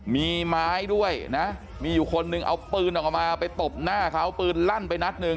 มีไม้ด้วยนะมีอยู่คนหนึ่งเอาปืนออกมาไปตบหน้าเขาปืนลั่นไปนัดหนึ่ง